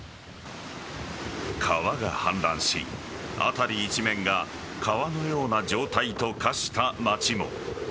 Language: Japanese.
川が氾濫し、辺り一面が川のような状態と化した街も。